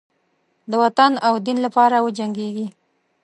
د وطن او دین لپاره وجنګیږي.